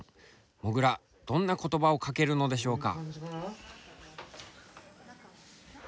もぐらどんな言葉をかけるのでしょうか。